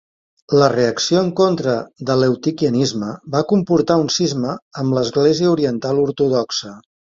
La reacció en contra de l'eutiquianisme va comportar un cisma amb l'església oriental ortodoxa.